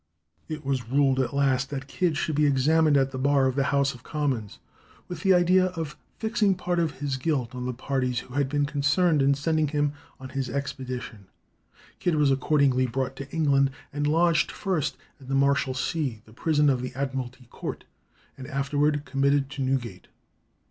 It was ruled at last that Kidd should be examined at the bar of the House of Commons, with the idea of "fixing part of his guilt on the parties who had been concerned in sending him on his expedition." Kidd was accordingly brought to England and lodged first in the Marshalsea, the prison of the Admiralty Court, and afterward committed to Newgate.